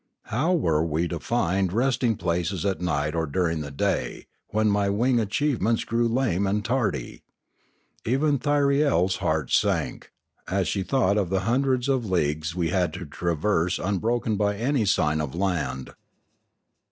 How were we to find rest ing places at night or during the day, when my wing achievements grew lame and tardy ? Even Thyriel's heart sank, as she thought of the hundreds of leagues we had to traverse unbroken by any sign of land.